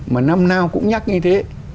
mà năm nào cũng nhắc như thế